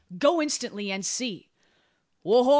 Go instantly, and see!" "Ho ho!